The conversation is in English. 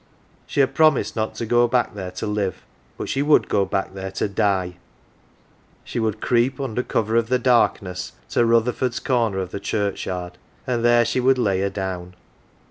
She had promised not to go back there to live, but she would go back there to die. She would creep un der cover of t h c darkness to Rutherford's corner of the churchyard, and there she would lay her down.